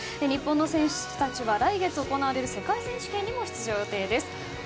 日本の選手たちは来月行われる世界選手権にも出場予定です。